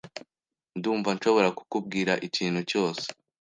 Ndumva nshobora kukubwira ikintu cyose.